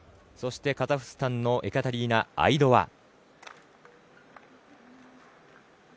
そして、カザフスタンのエカテリーナ・アイドワ。